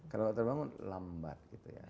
kalau terbangun lambat